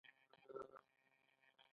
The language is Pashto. د خوست هوايي ډګر نوی دی